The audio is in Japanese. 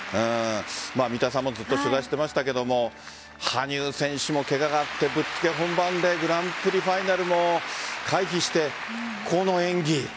三田さんもずっと取材していましたが羽生選手もけががあってぶっつけ本番でグランプリファイナルも回避してこの演技。